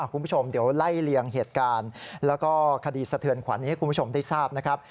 คุณผู้ชมเดี๋ยวไล่เลียงเหตุการณ์แล้วก็คดีสะเทือนขวัญให้คุณผู้ชมได้ทราบนะครับ